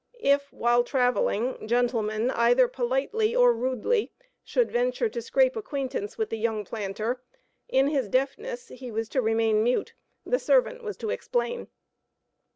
If, while traveling, gentlemen, either politely or rudely, should venture to scrape acquaintance with the young planter, in his deafness he was to remain mute; the servant was to explain.